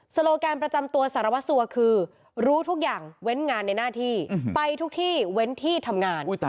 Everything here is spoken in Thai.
โลแกนประจำตัวสารวัสสัวคือรู้ทุกอย่างเว้นงานในหน้าที่ไปทุกที่เว้นที่ทำงาน